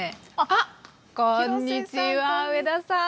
こんにちは上田さん